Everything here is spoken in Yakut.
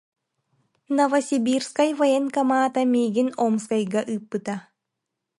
Новосибирскай Военкомата миигин Омскайга ыыппыта.